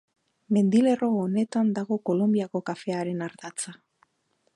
Mendilerro honetan dago Kolonbiako kafearen ardatza.